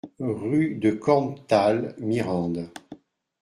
Rue de Korntal, Mirande